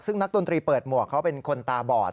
ซึ่งนักดนตรีเปิดหมวกเขาเป็นคนตาบอด